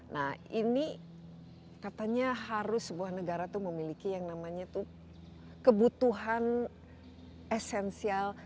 nah ini katanya harus sebuah negara itu memiliki yang namanya tuh kebutuhan esensial